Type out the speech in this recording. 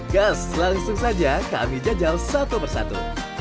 gas langsung saja kami jajal satu persatu